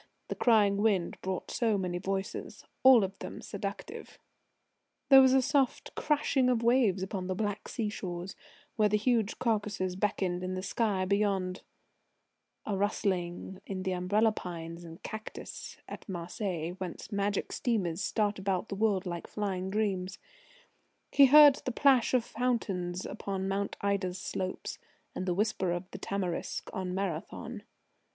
The crying wind brought so many voices, all of them seductive: There was a soft crashing of waves upon the Black Sea shores, where the huge Caucasus beckoned in the sky beyond; a rustling in the umbrella pines and cactus at Marseilles, whence magic steamers start about the world like flying dreams. He heard the plash of fountains upon Mount Ida's slopes, and the whisper of the tamarisk on Marathon.